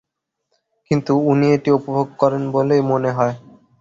কিন্তু উনি এটি উপভোগ করেন বলেই মনে হয়।